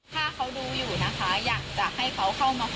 เห็นผมไว้ก่อน